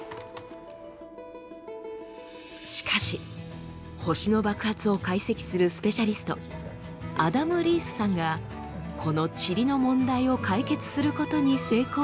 しかし星の爆発を解析するスペシャリストアダム・リースさんがこのチリの問題を解決することに成功しました。